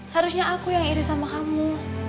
harusnya aku yang iris sama kamu